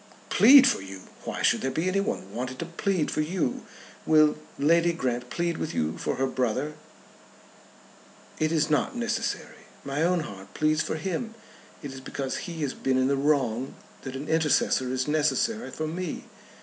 "Plead for you! Why should there be anyone wanted to plead for you? Will Lady Grant plead with you for her brother?" "It is not necessary. My own heart pleads for him. It is because he has been in the wrong that an intercessor is necessary for me.